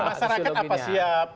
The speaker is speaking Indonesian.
masyarakat apa siap